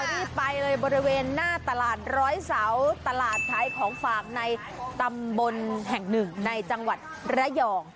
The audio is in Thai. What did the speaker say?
วันนี้ไปเลยบริเวณหน้าตลาดร้อยเสาตลาดขายของฝากในตำบลแห่งหนึ่งในจังหวัดระยอง